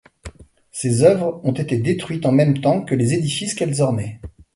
Ces œuvres ont été détruites en même temps que les édifices qu'elles ornaient.